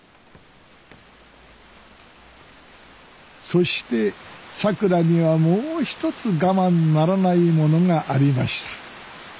そしてさくらにはもう一つ我慢ならないものがありました。